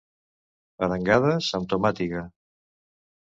Arengades amb tomàtiga